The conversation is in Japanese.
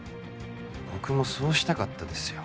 僕もそうしたかったですよ。